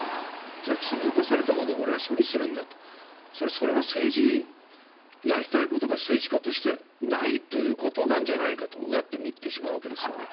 つまり、積み残されたものを俺は処理するんだと。それは政治、やりたいことが政治家としてないということなんじゃないかとうがって見てしまうんですよね。